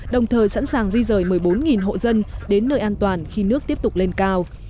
đồng thời sẵn sàng di rời một mươi bốn hộ dân đến nơi an toàn khi nước tiếp tục lên cao